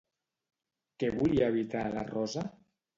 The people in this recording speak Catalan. Què volia evitar la Rosa?